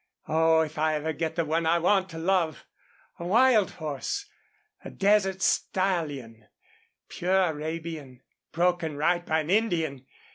Oh, if I ever get the one I want to love! A wild horse a desert stallion pure Arabian broken right by an Indian!